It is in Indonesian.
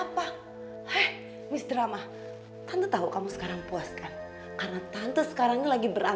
brother wah yang sedang aduh